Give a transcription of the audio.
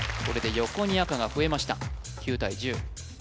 これで横に赤が増えました９対１０